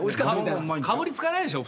かぶりつかないでしょ。